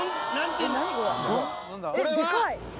これは？